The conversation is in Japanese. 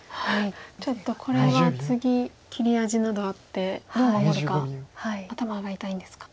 ちょっとこれは次切り味などあってどう守るか頭が痛いんですか。